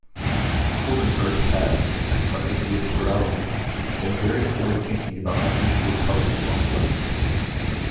Oldenburg has, as part of its liberality, been very forward-thinking about unusually colored warmbloods.